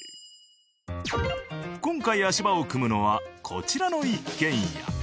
今回足場を組むのはこちらの一軒家。